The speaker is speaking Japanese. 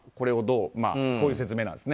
こういう説明なんです。